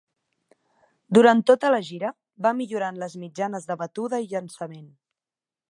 Durant tota la gira, va millorar les mitjanes de batuda i llançament.